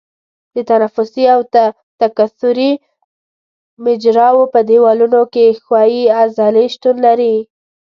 د تنفسي او تکثري مجراوو په دیوالونو کې ښویې عضلې شتون لري.